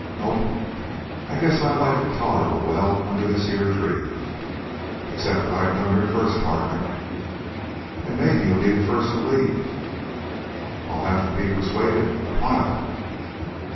"Nope. I guess I like it tolerable well under this here tree." "Except that I come here first, partner." "And maybe you'll be the first to leave." "I'd have to be persuaded a pile."